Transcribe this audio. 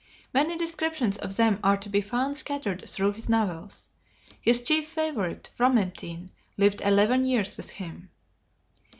Many descriptions of them are to be found scattered through his novels. His chief favorite, Fromentin, lived eleven years with him.